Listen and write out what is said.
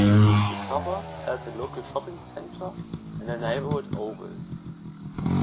The suburb has a local shopping centre and neighbourhood oval.